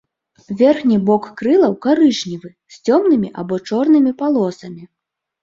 Верхні бок крылаў карычневы з цёмнымі або чорнымі палосамі.